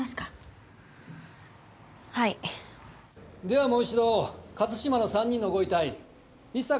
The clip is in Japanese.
ではもう一度勝島の３人のご遺体伊坂